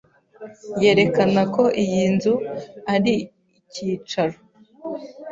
yerekana ko iyi nzu ari icyicaro